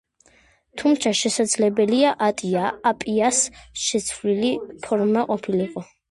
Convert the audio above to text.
თუმცა, შესაძლებელია, ატია „აპიას“ შეცვლილი ფორმა ყოფილიყო.